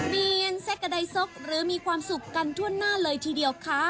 ดีเย็นแสกะใดสกเหลือมีความสุขกันทั่วหน้าเลยทีเดียวคะ